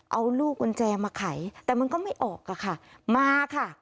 เอาลูกกุญแจมาไขแต่มันก็ไม่ออกอะค่ะมาค่ะ